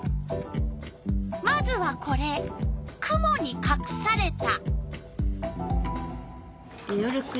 まずはこれ「くもにかくされた」。